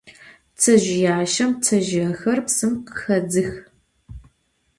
Ptsezjıyaşşem ptsezjıêxer psım khıxêdzıx.